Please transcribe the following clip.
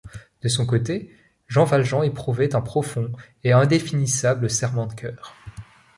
De son côté, Jean Valjean éprouvait un profond et indéfinissable serrement de cœur.